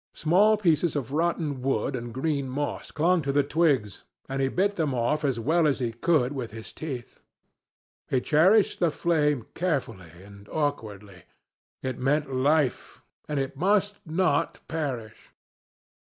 Small pieces of rotten wood and green moss clung to the twigs, and he bit them off as well as he could with his teeth. He cherished the flame carefully and awkwardly. It meant life, and it must not perish.